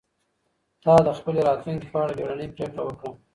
تا د خپلي راتلونکي په اړه بیړنۍ پرېکړه وکړه.